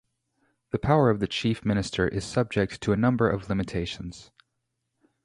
The power of the chief minister is subject to a number of limitations.